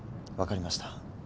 分かりました。